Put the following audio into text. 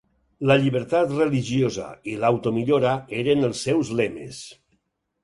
La llibertat religiosa i l'auto-millora eren els seus lemes.